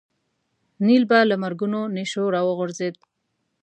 نیل به له مرګونو نېشو راوغورځېد.